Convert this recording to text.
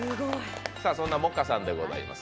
そんな萌歌さんでございます。